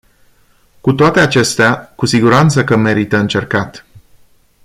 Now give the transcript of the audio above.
Cu toate acestea, cu siguranță că merită încercat.